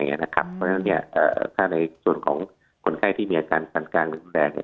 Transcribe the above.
เพราะฉะนั้นถ้าในส่วนของคนไข้ที่มีอาการปันกลางรุนแรง